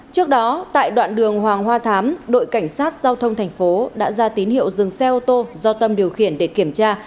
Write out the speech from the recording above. trước đó tại đoạn đường hoàng hoa thám đội cảnh sát giao thông thành phố đã ra tín hiệu dừng xe ô tô do tâm điều khiển để kiểm tra